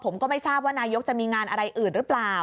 ผมก็ไม่ทราบว่านายกจะมีงานอะไรอื่นหรือเปล่า